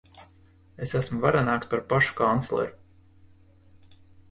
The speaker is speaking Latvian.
Es esmu varenāks par pašu kancleru.